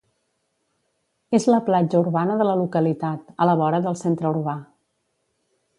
És la platja urbana de la localitat, a la vora del centre urbà.